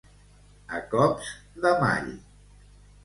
A cops de mall.